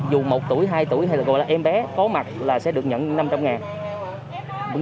dù một tuổi hai tuổi hay là gọi là em bé có mặt là sẽ được nhận năm trăm linh ngàn